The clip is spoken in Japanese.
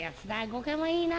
後家もいいな」。